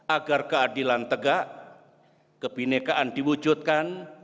agar keadilan tegak kebinekaan diwujudkan